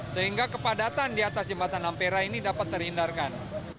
sehingga kepadatan di atas jembatan ampera ini dapat terhindarkan